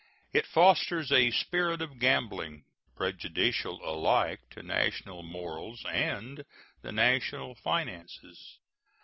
It fosters a spirit of gambling, prejudicial alike to national morals and the national finances.